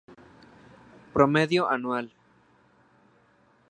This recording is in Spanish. Promedio anual.